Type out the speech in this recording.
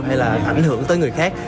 hay là ảnh hưởng tới người khác